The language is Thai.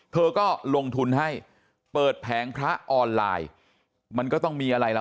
เธอก็ลงทุนให้เปิดแผงพระออนไลน์มันก็ต้องมีอะไรล่ะ